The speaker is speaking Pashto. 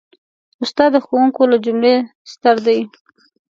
استاد د ښوونکو له جملې ستر دی.